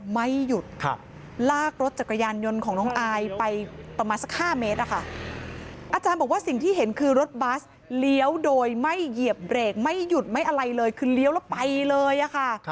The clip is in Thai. ไม่เหยียบเบรกไม่หยุดไม่อะไรเลยคือเลี้ยวแล้วไปเลยอะค่ะ